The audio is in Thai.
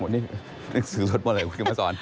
นี่นักศึกรถหมดเลยเขามาสอน